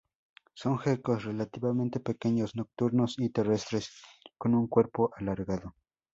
Son gecos relativamente pequeños, nocturnos y terrestres, con un cuerpo alargado.